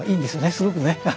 すごくね。